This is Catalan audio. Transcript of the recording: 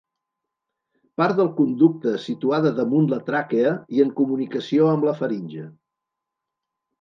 Part del conducte situada damunt la tràquea i en comunicació amb la faringe.